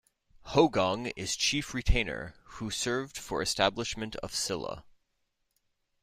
Hogong is chief retainer who served for establishment of Silla.